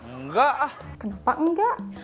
nggak ah kenapa nggak